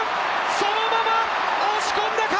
そのまま押し込んだか？